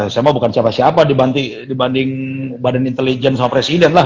saya mau bukan siapa siapa dibanding badan intelijen sama presiden lah